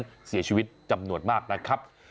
เพราะฉะนั้นเสียชีวิตจำนวนมากนะครับ